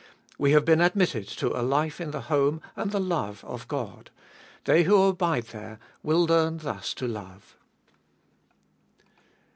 We have been admitted to a life in the home and the love of God ; they who abide there will learn thus to love.